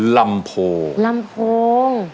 ลำโพง